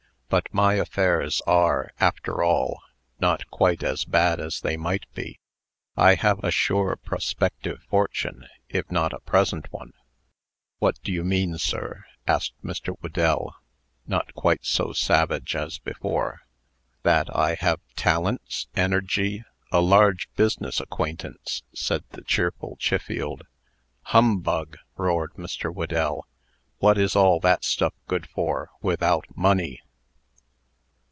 But my affairs are, after all, not quite as bad as they might be. I have a sure prospective fortune, if not a present one." "What do you mean, sir?" asked Mr. Whedell, not quite so savage as before. "That I have talents, energy, a large business acquaintance," said the cheerful Chiffield. "Humbug!" roared Mr. Whedell. "What is all that stuff good for, without money?"